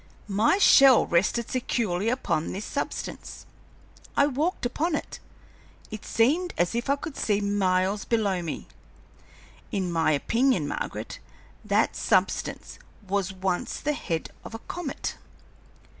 My shell rested securely upon this substance. I walked upon it. It seemed as if I could see miles below me. In my opinion, Margaret, that substance was once the head of a comet."